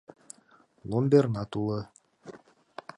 Ломбернат уло